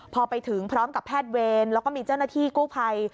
พอไปถึงพร้อมกับแพทย์เวรแล้วก็มีเจ้าหน้าที่กู้ภัย